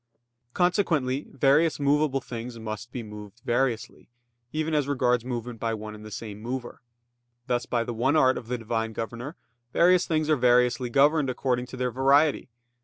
Consequently, various movable things must be moved variously, even as regards movement by one and the same mover. Thus by the one art of the Divine governor, various things are variously governed according to their variety.